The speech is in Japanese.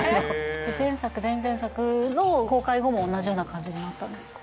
前作、前々作の公開後も同じような感じになったんですか？